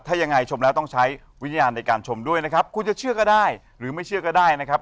ถ้ายังไงชมแล้วต้องใช้วิญญาณในการชมด้วยนะครับคุณจะเชื่อก็ได้หรือไม่เชื่อก็ได้นะครับ